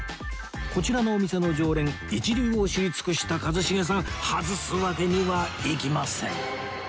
こちらのお店の常連一流を知り尽くした一茂さん外すわけにはいきません